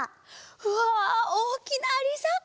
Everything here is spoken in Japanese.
うわおおきなアリさん。